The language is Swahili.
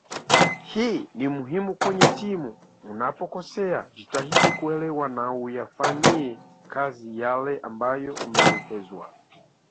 Hii ni muhimu kwenye timu unapokosea jitahidi kuelewa na uyafanyie kazi yale ambayo umeelekezwa